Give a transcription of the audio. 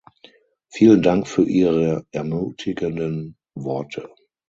Vielen Dank für Ihre ermutigenden Worte.